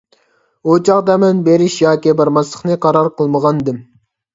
ئۇ چاغدا مەن بېرىش ياكى بارماسلىقنى قارار قىلمىغانىدىم.